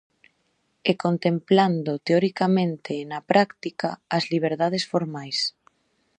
E contemplando teoricamente e na práctica as liberdades formais.